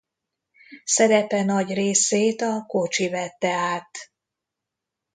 Szerepe nagy részét a kocsi vette át.